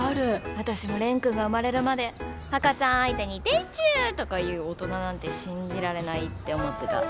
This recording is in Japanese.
私も蓮くんが生まれるまで赤ちゃん相手に「でちゅ」とか言う大人なんて信じられないって思ってた。